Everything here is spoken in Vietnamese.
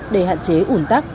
để hạn chế ủn tắc